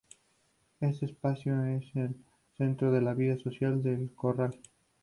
Este espacio es el centro de la vida social del corral.